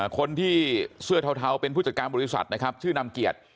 คนที่เสื้อเทาเป็นผู้จัดการบริษัทนะครับชื่อนำเกียรติ